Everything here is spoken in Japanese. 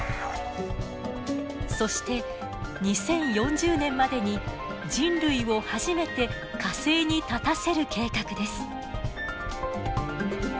そして２０４０年までに人類を初めて火星に立たせる計画です。